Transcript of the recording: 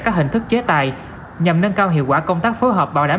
cái khu để mình chán bánh